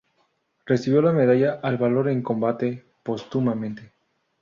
Recibió la medalla al Valor en Combate póstumamente.